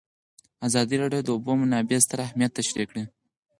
ازادي راډیو د د اوبو منابع ستر اهميت تشریح کړی.